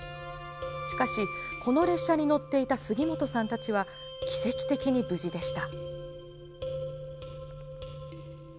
しかし、この列車に乗っていた杉本さんたちは奇跡的に無事でした。